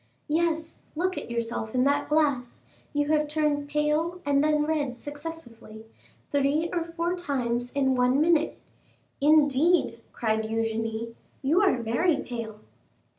"Yes, look at yourself in that glass; you have turned pale and then red successively, three or four times in one minute." "Indeed," cried Eugénie, "you are very pale!"